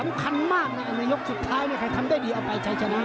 สำคัญมากนะในยกสุดท้ายใครทำได้ดีเอาไปชัยชนะ